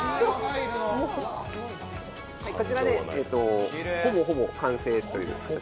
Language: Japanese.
こちらで、ほぼほぼ完成です。